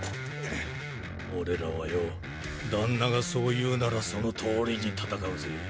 俺らはよ旦那がそう言うならそのとおりに戦うぜ。